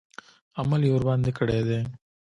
عمل یې ورباندې کړی دی.